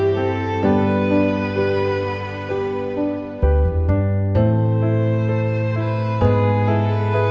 kita dan seseorang tarik